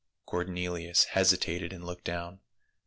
Cornelius hesitated and looked down.